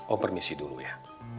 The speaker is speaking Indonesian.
om permisi dulu ya